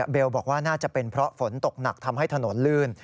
บอกว่าน่าจะเป็นเพราะฝนตกหนักทำให้ถนนลื่น